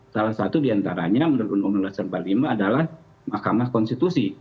salah satu diantaranya menurut unu seribu sembilan ratus empat puluh lima adalah mahkamah konstitusi